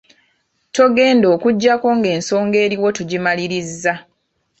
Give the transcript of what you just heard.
Togenda okuggyako ng'ensonga eriwo tugimalirizza